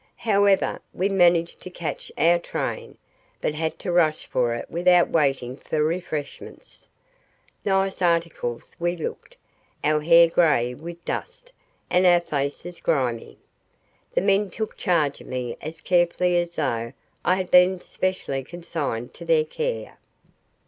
However, we managed to catch our train, but had to rush for it without waiting for refreshments. Nice articles we looked our hair grey with dust, and our faces grimy. The men took charge of me as carefully as though I had been specially consigned to their care.